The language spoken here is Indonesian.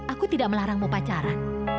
aku tidak melarangmu pacaran